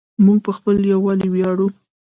موږ په خپل یووالي ویاړو.